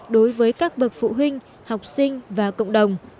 đối với các bậc phụ huynh học sinh và cộng đồng